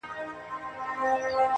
مور بې حاله کيږي ناڅاپه,